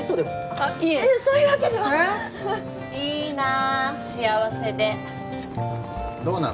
あっいえそういうわけではいいな幸せでどうなの？